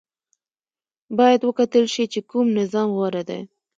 باید وکتل شي چې کوم نظام غوره دی.